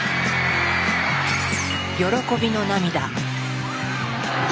喜びの涙。